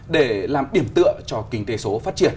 để làm điểm tựa cho kinh tế số phát triển